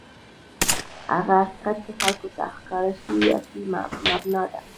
هغه حقیقت چې خلکو ته ښکاره شوی، اصلي مبنا ده.